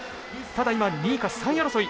ただ、２位か３位争い。